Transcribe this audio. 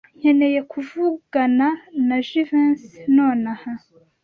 Nkeneye kuvugana na Jivency nonaha.